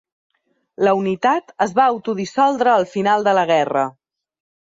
La unitat es va autodissoldre al final de la guerra.